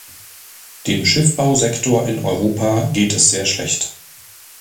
Dem Schiffbausektor in Europa geht es sehr schlecht.